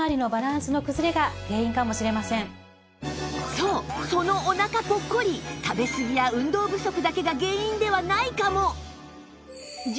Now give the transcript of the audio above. そうそのお腹ポッコリ食べすぎや運動不足だけが原因ではないかも！？